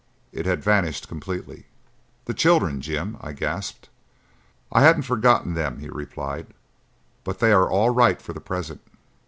It had vanished completely. "The children, Jim!" I gasped. "I haven't forgotten them," he replied, "but they are all right for the present.